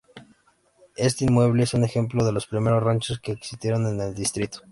Este inmueble es un ejemplo de los primeros ranchos que existieron en el distrito.